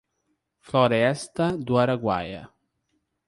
Floresta do Araguaia